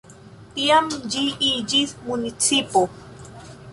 Tiam ĝi iĝis municipo.